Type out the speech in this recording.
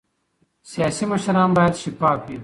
سیاسي مشران باید شفاف وي